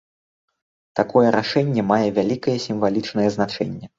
Такое рашэнне мае вялікае сімвалічнае значэнне.